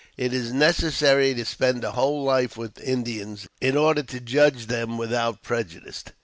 It is necessary to spend a whole life with Indians, in order to judge them without prejudice.